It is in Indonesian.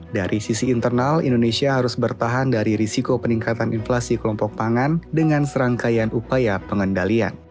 dari sisi internal indonesia harus bertahan dari risiko peningkatan inflasi kelompok pangan dengan serangkaian upaya pengendalian